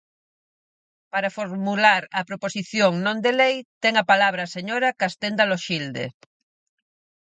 Para formular a proposición non de lei, ten a palabra a señora Castenda Loxilde.